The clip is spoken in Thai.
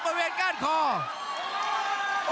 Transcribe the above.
โอ้โหเดือดจริงครับ